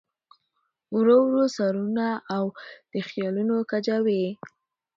ورو ورو ساروانه او د خیالونو کجاوې